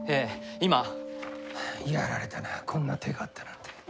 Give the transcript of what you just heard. やられたなこんな手があったなんて。